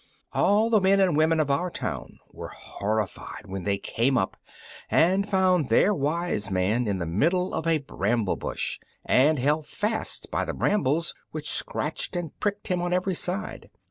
All the men and women of our town were horrified when they came up and found their wise man in the middle of the bramble bush, and held fast by the brambles, which scratched and pricked him on every side.